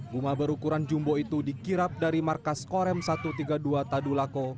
rumah berukuran jumbo itu dikirap dari markas korem satu ratus tiga puluh dua tadulako